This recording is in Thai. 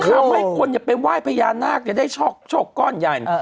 คำให้คนอย่าไปไหว้พญานาคต์อย่าได้ช่อกก้อนใหญ่